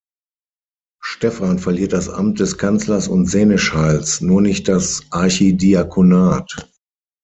Stephan verliert das Amt des Kanzlers und Seneschalls, nur nicht das Archidiakonat.